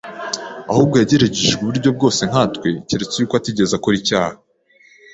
ahubwo yageragejwe uburyo bwose nka twe, keretse yuko atigeze akora icyaha